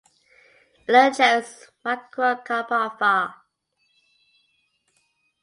Eleocharis microcarpa var.